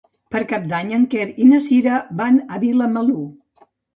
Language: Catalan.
Per Cap d'Any en Quer i na Sira van a Vilamalur.